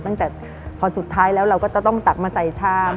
ตั้งแต่พอสุดท้ายแล้วเราก็จะต้องตักมาใส่ชาม